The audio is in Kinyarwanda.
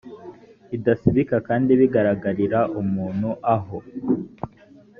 idasibika kandi bigararagarira umuntu aho